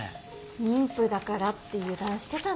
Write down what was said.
妊婦だからって油断してたんでしょ？